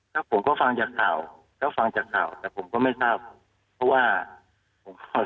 ครับผมก็ฟังจากข่าวแต่ผมก็ไม่ทราบ